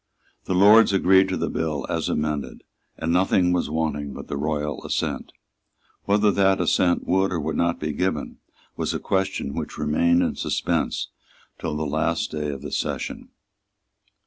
The Lords agreed to the bill as amended; and nothing was wanting but the royal assent. Whether that assent would or would not be given was a question which remained in suspense till the last day of the session.